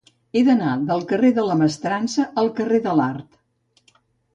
He d'anar del carrer de la Mestrança al carrer de l'Art.